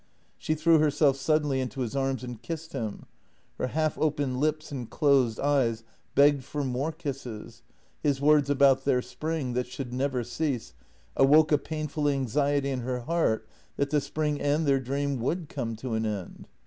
She threw herself suddenly into his arms and kissed him; her half open lips and closed eyes begged for more kisses; his words about their spring, that should never cease, awoke a painful anxiety in her heart that the spring and their dream would come to an end.